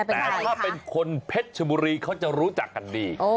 แต่ถ้าเป็นคนเพชรชบุรีเขาจะรู้จักกันดี